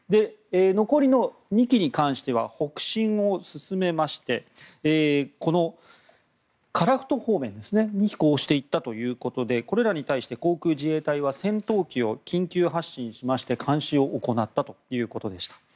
残りの２機に関しては北進を進めまして樺太方面に飛行していったということでこれらに対して航空自衛隊は戦闘機を緊急発進しまして監視を行ったということでした。